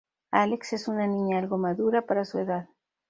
Alex es una niña algo "madura" para su edad.